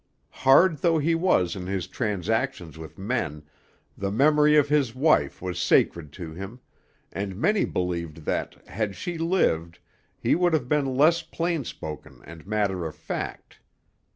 Hard though he was in his transactions with men, the memory of his wife was sacred to him; and many believed that, had she lived, he would have been less plain spoken and matter of fact.